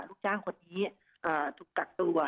ลูกจ้างคนนี้ถูกกักตัว